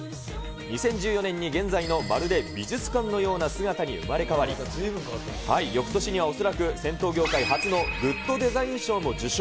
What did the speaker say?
２０１４年に現在のまるで美術館のような姿に生まれ変わり、よくとしには恐らく銭湯業界初のグッドデザイン賞も受賞。